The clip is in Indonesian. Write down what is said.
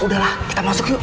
udah lah kita masuk yuk